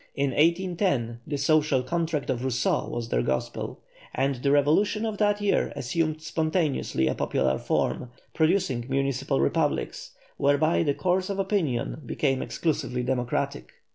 In 1810 the social contract of Rousseau was their gospel, and the revolution of that year assumed spontaneously a popular form, producing municipal republics, whereby the course of opinion became exclusively democratic.